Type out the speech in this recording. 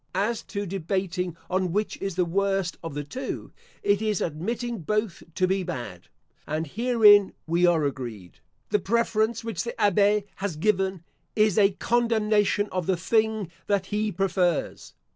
As to debating on which is the worst of the two, it is admitting both to be bad; and herein we are agreed. The preference which the Abbe has given, is a condemnation of the thing that he prefers.